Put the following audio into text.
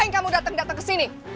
yang kamu datang datang ke sini